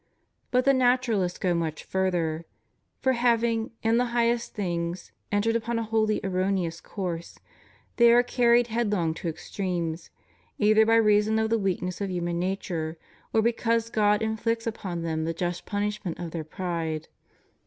But the Naturalists go much further; for having, in the highest things, entered upon a wholly erroneous course, they are carried headlong to extremes, either by reason of the weakness of human nature, or because God inflicts upon them the just punishment of their pride.